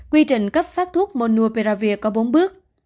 quy trình cấp phát thuốc monopiravir có bốn bước